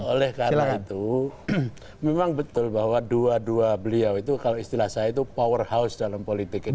oleh karena itu memang betul bahwa dua dua beliau itu kalau istilah saya itu power house dalam politik indonesia